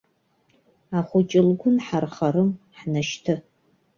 Ахәыҷы лгәы нҳархарым, ҳнашьҭы.